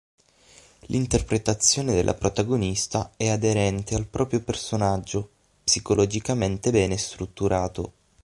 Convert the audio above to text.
L'interpretazione della protagonista è aderente al proprio personaggio, psicologicamente bene strutturato.